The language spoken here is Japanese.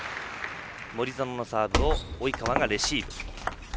森薗のサーブを及川がレシーブ。